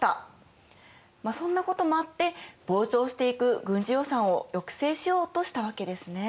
そんなこともあって膨張していく軍事予算を抑制しようとしたわけですね。